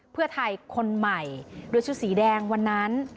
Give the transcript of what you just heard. เพื่อไทยคนใหม่โดยชุดสีแดงวันนั้น